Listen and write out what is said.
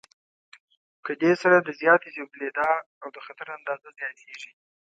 له دې سره د زیاتې ژوبلېدا او د خطر اندازه زیاتېږي.